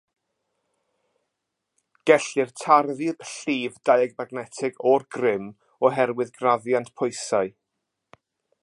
Gellir tarddu'r llif diamagnetig o'r grym oherwydd graddiant pwysau.